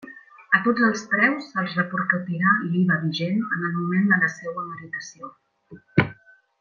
A tots els preus se'ls repercutirà l'IVA vigent en el moment de la seua meritació.